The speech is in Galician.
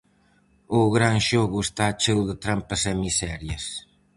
O Gran Xogo está cheo de trampas e miserias.